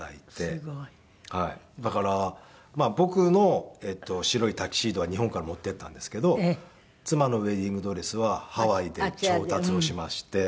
だから僕の白いタキシードは日本から持って行ったんですけど妻のウェディングドレスはハワイで調達をしまして。